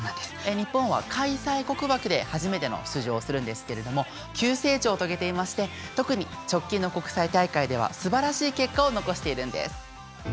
日本は開催国枠で初めての出場をするんですけれども急成長を遂げていまして特に直近の国際大会ではすばらしい結果を残しているんです。